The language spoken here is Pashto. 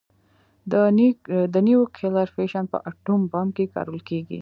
د نیوکلیر فیشن په اټوم بم کې کارول کېږي.